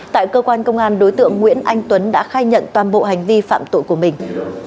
tại cơ quan công an đối tượng nguyễn anh tuấn đã khai nhận toàn bộ hành vi phạm tội của mình